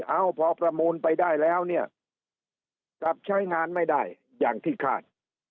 เอาพอประมูลไปได้แล้วเนี่ยกลับใช้งานไม่ได้อย่างที่คาด